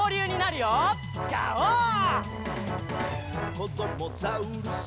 「こどもザウルス